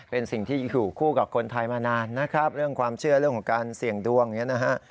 เป็นสิ่งที่อยู่คู่กับคนไทยมานานนะครับเรื่องความเชื่อเรื่องของการเสี่ยงดวงอย่างนี้นะฮะ